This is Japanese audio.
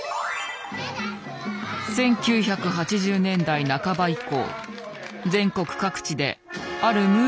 １９８０年代半ば以降全国各地であるムーブメントが起きた。